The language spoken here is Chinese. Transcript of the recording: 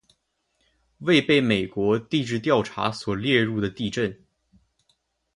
未被美国地质调查所列入的地震